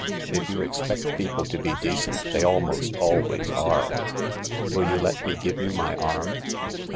If you expect people to be decent they almost always are. Will you let me give you my arm